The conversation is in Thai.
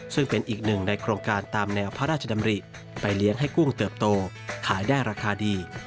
ซึ่งเป็นอีกหนึ่งในโครงการตามแนวพระราชดำริไปเลี้ยงให้กุ้งเติบโตขายได้ราคาดี